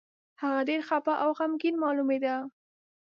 هغه ډېر خپه او غمګين مالومېده.